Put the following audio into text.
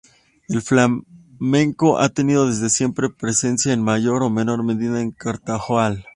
El flamenco ha tenido desde siempre presencia en mayor o menor medida en Cartaojal.